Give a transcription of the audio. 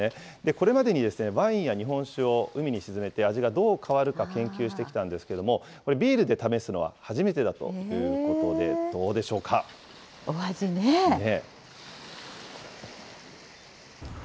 これまでにワインや日本酒を海に沈めて味がどう変わるか研究してきたんですけれども、これ、ビールで試すのは初めてだということお味ね。